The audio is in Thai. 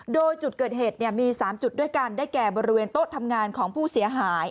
โดยจุดเกิดเหตุมี๓จุดด้วยกันได้แก่บริเวณโต๊ะทำงานของผู้เสียหาย